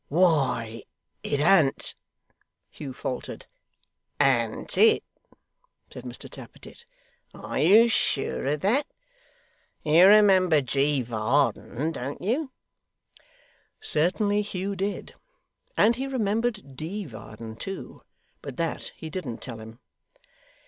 'Why it an't ' Hugh faltered. 'An't it?' said Mr Tappertit. 'Are you sure of that? You remember G. Varden, don't you?' Certainly Hugh did, and he remembered D. Varden too; but that he didn't tell him.